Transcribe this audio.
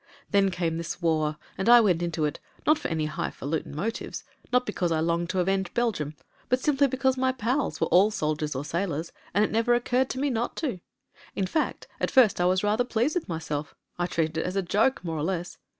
"Then came this war and I went into it — ^not for any highfalutin motives, not because I longed to avenge Belgiimi — ^but simply because my pals were all soldiers or sailors, and it never occurred to me not to. In fact at first I was rather pleased with myself — I treated it as a joke more or less.